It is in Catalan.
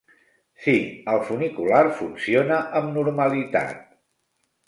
Sí, el funicular funciona amb normalitat.